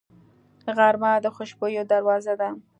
غرمه د خوشبویو دروازه ده